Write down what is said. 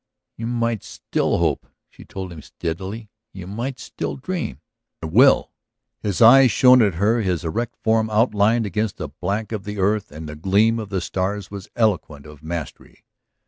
..." "You might still hope," she told him steadily. "You might still dream." "I will!" His eyes shone at her, his erect form outlined against the black of the earth and the gleam of the stars was eloquent of mastery.